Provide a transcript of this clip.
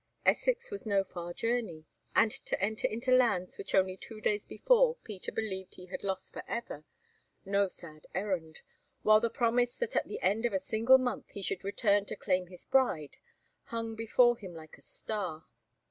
Essex was no far journey, and to enter into lands which only two days before Peter believed he had lost for ever, no sad errand, while the promise that at the end of a single month he should return to claim his bride hung before them like a star.